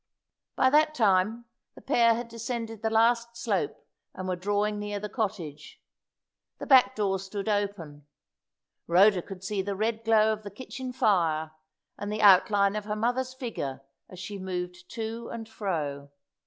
By that time the pair had descended the last slope, and were drawing near the cottage. The back door stood open. Rhoda could see the red glow of the kitchen fire, and the outline of her mother's figure as she moved to and fro.